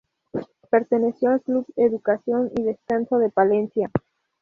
Perteneció al Club Educación y Descanso de Palencia.